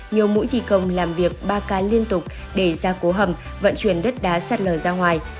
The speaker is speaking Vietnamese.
nhiều mũi thi công làm việc ba k liên tục để ra cố hầm vận chuyển đất đá sạt lở ra ngoài